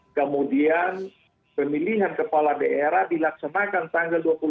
oke kemudian pemilihan kepala daerah dilaksanakan tanggal dua puluh tujuh november tahun dua ribu dua puluh empat